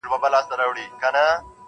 و دهقان ته يې ورپېښ کړل تاوانونه-